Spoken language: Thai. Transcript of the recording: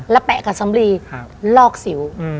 แล้วแปะกับสำลีครับลอกสิวอืม